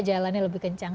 jalannya lebih kencang